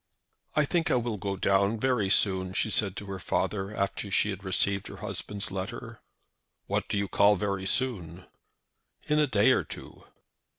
"I think I will go down very soon," she said to her father, after she had received her husband's letter. "What do you call very soon?" "In a day or two."